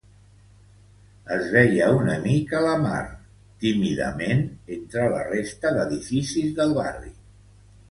Es veia una mica la mar, tímidament entre la resta d'edificis del barri.